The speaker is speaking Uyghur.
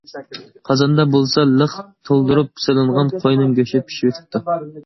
قازاندا بولسا، لىق تولدۇرۇپ سېلىنغان قوينىڭ گۆشى پىشىۋېتىپتۇ.